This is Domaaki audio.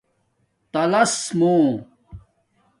تلس مُوں